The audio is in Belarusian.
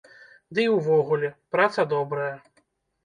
Ды і ўвогуле, праца добрая.